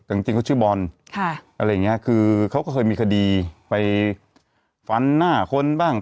แต่จริงจริงเขาชื่อบอลค่ะอะไรอย่างเงี้ยคือเขาก็เคยมีคดีไปฟันหน้าคนบ้าง